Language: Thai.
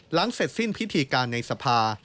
เสร็จสิ้นพิธีการในสภา